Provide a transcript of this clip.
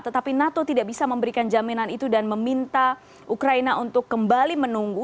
tetapi nato tidak bisa memberikan jaminan itu dan meminta ukraina untuk kembali menunggu